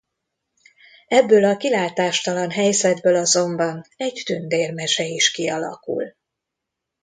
Ebből a kilátástalan helyzetből azonban egy tündérmese is kialakul.